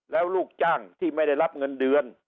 แล้วลูกจ้างที่ไม่ได้รับเงินเดือน